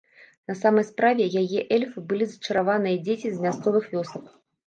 На самай справе, яе эльфы былі зачараваныя дзеці з мясцовых вёсак.